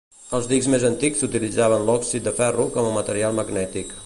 Els dics més antics utilitzaven l'òxid de ferro com a material magnètic.